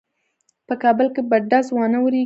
په کابل کې به ډز وانه وریږي.